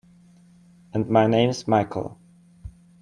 And my name's Michael.